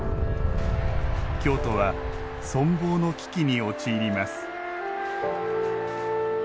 京都は存亡の危機に陥ります